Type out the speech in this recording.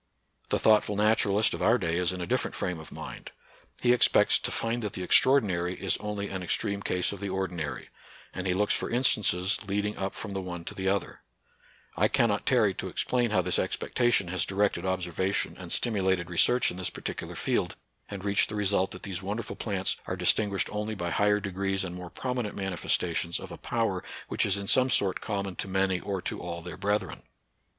The thoughtful naturalist of our day is in a different frame of mind. He ex pects to find that the extraordinary is only an extreme case of the ordinary ; and he looks for instances leading up from the one to the other, I cannot tarry to explain how this expectation has directed observation and stimulated research in this particular field, and reached the result that these wonderful plants are distinguished only by higher degrees and more prominent manifestations of a power which is in some sort common to many or to all their brethren.